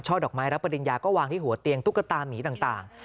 ดอกไม้รับปริญญาก็วางที่หัวเตียงตุ๊กตามีต่าง